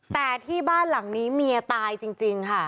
แต่ที่บ้านหลังนี้เมียตายจริงค่ะ